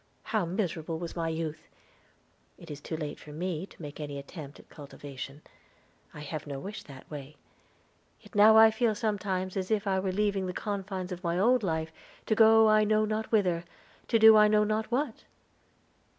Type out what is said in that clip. How miserable was my youth! It is too late for me to make any attempt at cultivation. I have no wish that way. Yet now I feel sometimes as if I were leaving the confines of my old life to go I know not whither, to do I know not what."